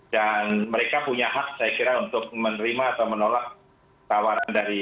dan mereka punya hak saya kira untuk menerima atau menolak tawaran dari